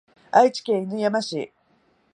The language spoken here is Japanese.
愛知県犬山市